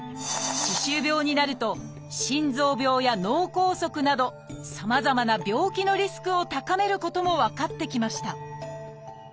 歯周病になると心臓病や脳梗塞などさまざまな病気のリスクを高めることも分かってきました